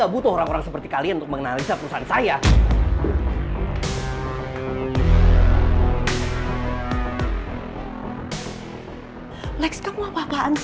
put sarapan dulu yuk